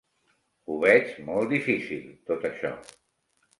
Ho veig molt difícil, tot això.